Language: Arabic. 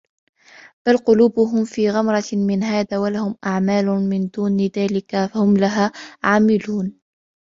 بل قلوبهم في غمرة من هذا ولهم أعمال من دون ذلك هم لها عاملون